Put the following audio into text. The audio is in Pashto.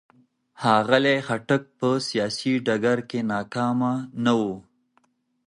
ښاغلي خټک په سیاسي ډګر کې ناکامه نه و.